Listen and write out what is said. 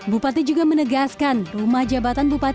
bupati juga menegaskan rumah jabatan bupati